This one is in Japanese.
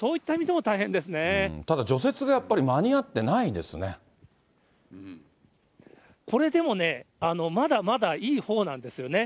そうただ除雪がやっぱり、間に合これでもね、まだまだいいほうなんですよね。